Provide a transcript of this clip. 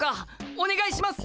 おねがいします！